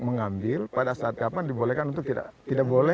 mengambil pada saat kapan dibolehkan untuk